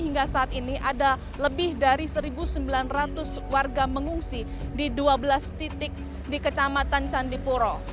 hingga saat ini ada lebih dari satu sembilan ratus warga mengungsi di dua belas titik di kecamatan candipuro